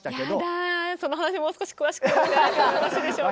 やだぁその話もう少し詳しくお伺いしてもよろしいでしょうか？